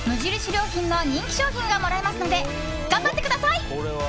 良品の人気商品がもらえますので頑張ってください。